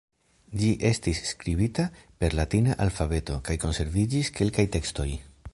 Ĝi estis skribita per latina alfabeto kaj konserviĝis kelkaj tekstoj.